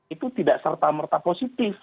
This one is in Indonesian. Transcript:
itu tidak serta merta positif